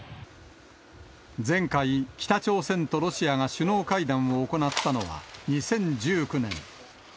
前回、北朝鮮とロシアが首脳会談を行ったのは、２０１９年。